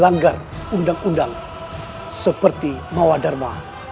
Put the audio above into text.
langgar undang undang seperti manawadharma